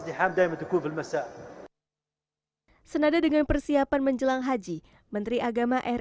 terima kasih dash snadar dengan persiapan menjelang haji menteri agama basin